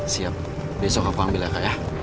siap besok aku ambil ya kak ya